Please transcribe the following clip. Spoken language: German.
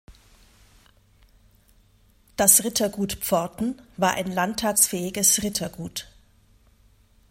Das Rittergut Pforten war ein landtagsfähiges Rittergut.